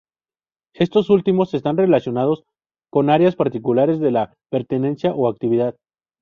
Estos últimos están relacionados con áreas particulares de la pertenencia o actividad.